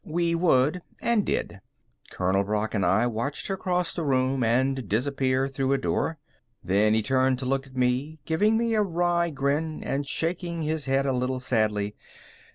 We would and did. Colonel Brock and I watched her cross the room and disappear through a door. Then he turned to look at me, giving me a wry grin and shaking his head a little sadly.